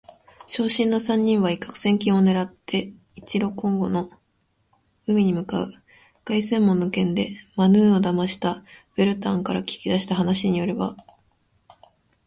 傷心の三人は一攫千金を狙って一路コンゴの海に向かう。凱旋門の件でマヌーを騙したヴェルタンから訊きだした話によれば、そこには数年前のコンゴ動乱の際に国外脱出を図って墜落した飛行機が、莫大な財宝を積んだまま沈んでいるというのである。